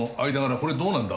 これどうなんだ？